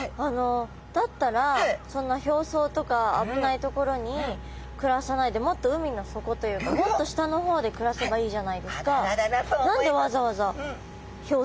だったらそんな表層とか危ない所に暮らさないでもっと海の底というかもっと下の方で暮らせばいいじゃないですか？